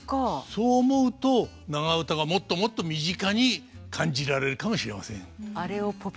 そう思うと長唄がもっともっと身近に感じられるかもしれません。